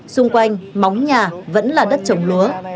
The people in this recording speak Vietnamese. xung quanh móng nhà vẫn là đất trồng lối